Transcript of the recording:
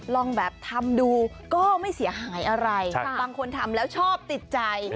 ลองแบบทำดูก็ไม่เสียหายอะไรบางคนทำแล้วชอบติดใจ